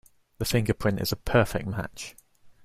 The fingerprint is a perfect match.